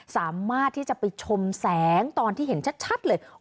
สามารถที่จะไปชมแสงตอนที่เห็นชัดเลย